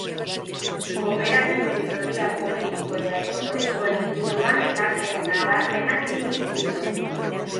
Kooperatiben teoria politiko eta ekonomikoen inguruan ekarpen nabarmenak egin zituen.